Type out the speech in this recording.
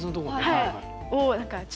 はい。